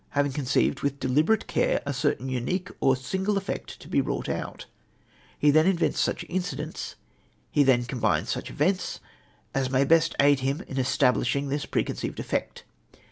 having conceived, with deliberate care, a certain unique or single effect to be wrought out, he then invents such incidents he then combines such events as may best aid him in establishing this preconceived effect.